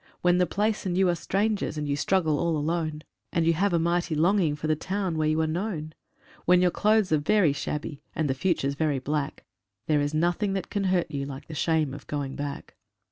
When the place and you are strangers and you struggle all alone, And you have a mighty longing for the town where you are known; When your clothes are very shabby and the future's very black, There is nothing that can hurt you like the shame of going back.